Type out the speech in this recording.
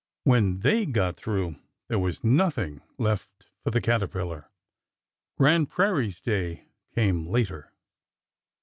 When they got through there was nothing left for the caterpillar ! Grand Prairie's day came later.